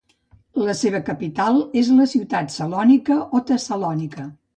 La seva capital és la ciutat de Salònica o Tessalònica.